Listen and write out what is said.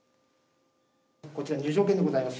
こちら入場券でございます。